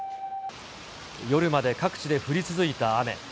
夜まで各地で降り続いた雨。